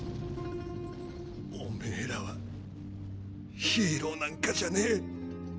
おめェらはヒーローなんかじゃねえ。